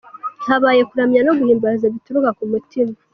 Habaye kuramya no guhimbaza bituruka ku mutima